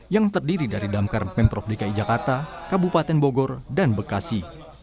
yang terdiri dari damkar pemprov dki jakarta kabupaten bogor dan bekasi